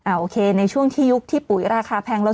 โอเคในช่วงที่ยุคที่ปุ๋ยราคาแพงแล้ว